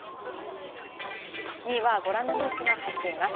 ２位はご覧のニュースが入っています。